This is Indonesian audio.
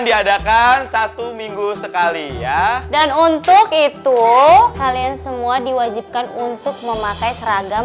diadakan satu minggu sekali ya dan untuk itu kalian semua diwajibkan untuk memakai seragam